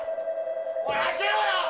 おい開けろよ！